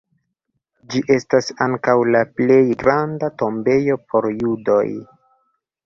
Ĝi estas ankaŭ la plej granda tombejo por judoj.